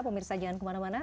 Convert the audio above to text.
pemirsa jangan kemana mana